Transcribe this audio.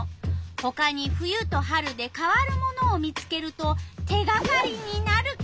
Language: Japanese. ほかに冬と春で変わるものを見つけると手がかりになるカモ。